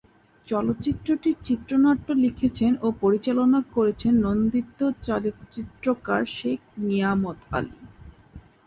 চলচ্চিত্রটির চিত্রনাট্য লিখেছেন ও পরিচালনা করেছেন নন্দিত চলচ্চিত্রকার শেখ নিয়ামত আলী।